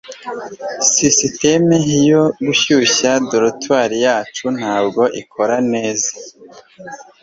sisitemu yo gushyushya dortoir yacu ntabwo ikora neza